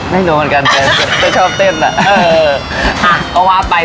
ไม่รู้เหมือนกัน